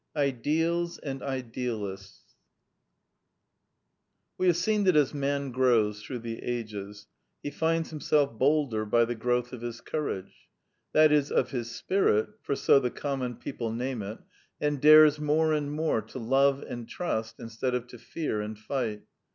IDEALS AND IDEALISTS We have seen that as Man grows through the ages, he finds himself bolder by the growth of his courage: that is, of his spirit (for so the com mon people name it), and dares more and more to love and trust instead of to fear and fight.